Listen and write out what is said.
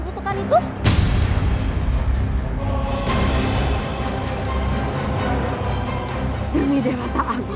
kau akan terbebas dari kutukan itu